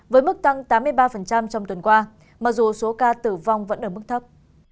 với mức tăng tám mươi ba trong tuần qua mặc dù số ca tử vong vẫn ở mức thấp